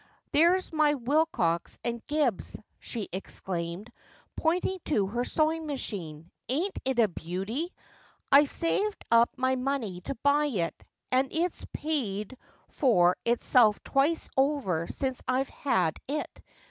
'There's my Willcox and Gibbs,' she exclaimed, pointing to her sewing machine. ' Ain't it a beauty ? I saved up my money to buy it, and it's paid for itself twice over since I've had it.